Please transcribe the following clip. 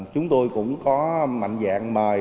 chúng tôi cũng có mạnh dạng mời